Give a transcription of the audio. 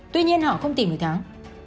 tuy nhiên họ không tìm được thắng